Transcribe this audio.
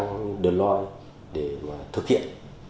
như erlang deloitte để thực hiện